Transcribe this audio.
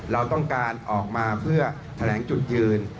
เราต้องการออกมาเพื่อแถลงจุดยืน